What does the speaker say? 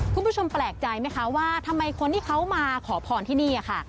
คุณผู้ชมแปลกใจไหมคะว่าทำไมคนที่เขามาขอพรที่นี่ค่ะ